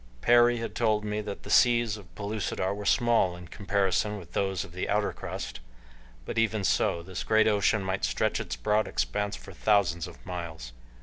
Perry had told me that the seas of Pellucidar were small in comparison with those of the outer crust, but even so this great ocean might stretch its broad expanse for thousands of miles.